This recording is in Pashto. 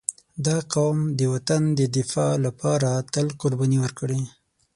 • دا قوم د وطن د دفاع لپاره تل قرباني ورکړې.